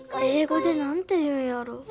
英語で何て言うんやろ。